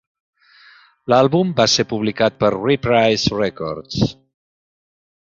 L'àlbum va ser publicat per Reprise Records.